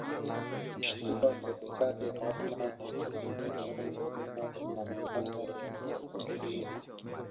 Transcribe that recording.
ishtua serikali ya rwanda na kupelekea balozi wake nchini uholanzi emaculate wayigibigira